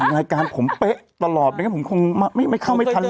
รายการผมเป๊ะตลอดผมคงไม่เข้าไม่ทันแล้ว